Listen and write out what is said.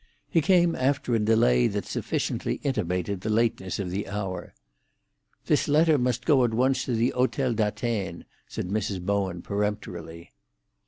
He came after a delay that sufficiently intimated the lateness of the hour. "This letter must go at once to the Hotel d'Atene," said Mrs. Bowen peremptorily.